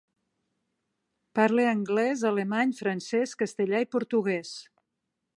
Parla anglès, alemany, francès, castellà i portuguès.